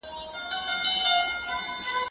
دا لاس له هغه پاک دی،